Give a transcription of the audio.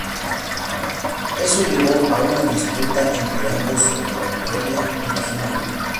Eso llevó a una disputa entre ambos sobre la autoría original.